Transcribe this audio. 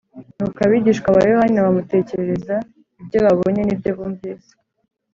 Nuko abigishwa ba Yohana bamutekerereza ibyo babonye nibyo bumvise